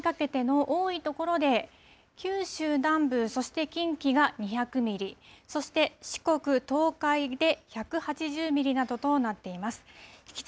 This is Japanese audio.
あすの夕方にかけての多い所で九州南部そして近畿が２００ミリそして四国、東海で１８０ミリなどとなっています。